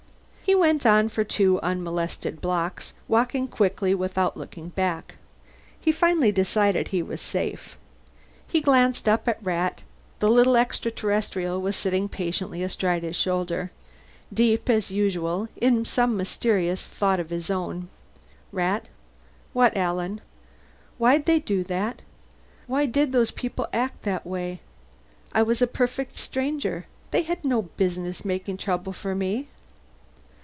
He went on for two unmolested blocks, walking quickly without looking back. Finally he decided he was safe. He glanced up at Rat. The little extra terrestrial was sitting patiently astride his shoulder, deep, as usual, in some mysterious thoughts of his own. "Rat?" "What, Alan?" "Why'd they do that? Why did those people act that way? I was a perfect stranger. They had no business making trouble for me."